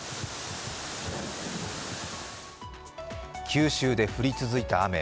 九州で降り続いた雨。